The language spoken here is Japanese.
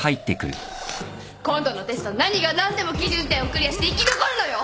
今度のテスト何が何でも基準点をクリアして生き残るのよ。